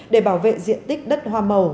để bảo vệ diện tích đất hoa màu